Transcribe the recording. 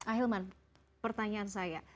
ahilmah pertanyaan saya